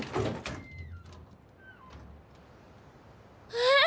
えっ？